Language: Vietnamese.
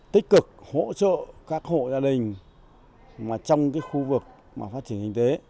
tích cực hỗ trợ các hộ gia đình mà trong khu vực mà phát triển kinh tế